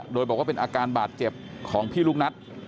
โดยบอกว่าเป็นอาการบาดเจ็บของพี่ลูกนัท